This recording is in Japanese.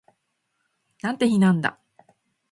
なんて日なんだ